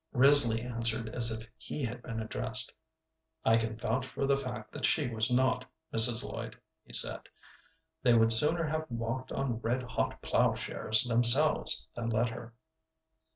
Risley answered as if he had been addressed. "I can vouch for the fact that she was not, Mrs. Lloyd," he said. "They would sooner have walked on red hot ploughshares themselves than let her."